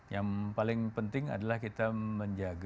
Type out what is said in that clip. yang paling penting adalah kita menjaga